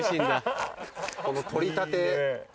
この採りたて。